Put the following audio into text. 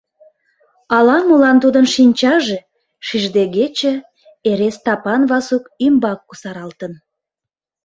Ала-молан тудын шинчаже, шиждегече, эре Стапан Васук ӱмбак кусаралтын.